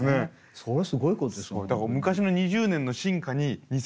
それはすごいことですよ